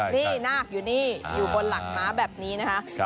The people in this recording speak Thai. นี่นาคอยู่นี่อยู่บนหลักม้าแบบนี้นะคะ